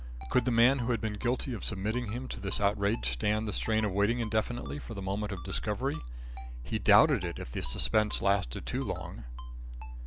Could the man who had been guilty of submitting him to this outrage stand the strain of waiting indefinitely for the moment of discovery? He doubted it, if the suspense lasted too long.